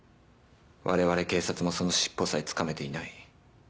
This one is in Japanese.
われわれ警察もその尻尾さえつかめていない。